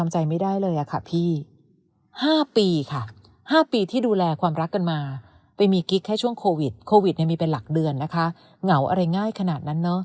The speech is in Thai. ให้ขนาดนั้นเนอะ